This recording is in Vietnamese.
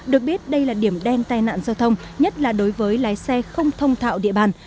được biết đây là điểm đen tai nạn giao thông nhất là đối với lái xe không thông thạo địa bàn